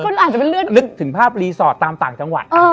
ลึกถึงภาพรีสอร์ตตามต่างจังหวัด